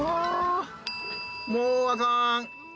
もうあかん！